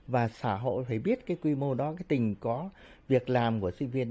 và xã hội phải biết quy mô đó tình có việc làm của sinh viên